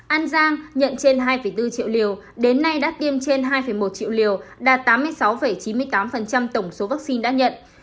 an giang nhận trên hai bốn triệu liều đến nay đã tiêm trên hai một triệu liều đạt tám mươi sáu chín mươi tám tổng số vaccine đã nhận